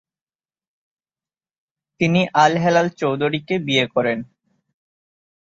তিনি আল হেলাল চৌধুরীকে বিয়ে করেন।